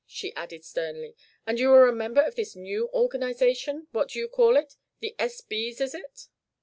she added sternly. "And you are a member of this new organization What do you call it? The 'S. B.'s,' is it?"